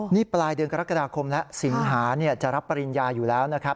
นี่ปลายเดือนกรกฎาคมแล้วสิงหาจะรับปริญญาอยู่แล้วนะครับ